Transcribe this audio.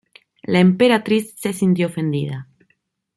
La emperatriz se sintió ofendida.